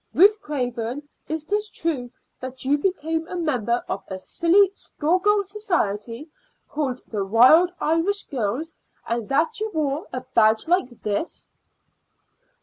Ruth Craven, is it true that you became a member of a silly schoolgirl society called the Wild Irish Girls, and that you wore a badge like this?"